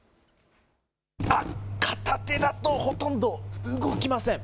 あっ、片手だとほとんど動きません。